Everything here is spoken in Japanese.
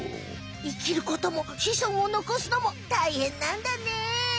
生きることもしそんを残すのもたいへんなんだね。